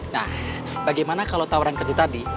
nah bagaimana kalau tawaran kerja tadi